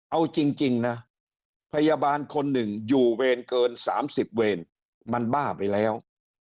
เอาจริงนะพยาบาลคนหนึ่งอยู่เวรเกิน๓๐เวรมันบ้าไปแล้ว